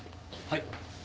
はい。